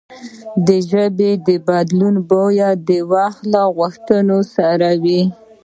د ژبې بدلون باید د وخت له غوښتنو سره وي.